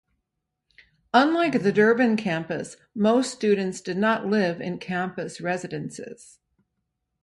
Unlike the Durban campus, most students did not live in campus residences.